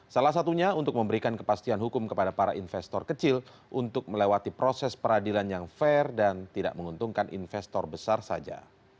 salah satunya untuk memberikan kepastian hukum kepada para investor kecil untuk melewati proses peradilan yang fair dan tidak menguntungkan investor besar saja